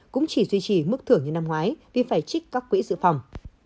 cũng chỉ duy trì mức thưởng như năm ngoái vì phải trích các quỹ dự phòng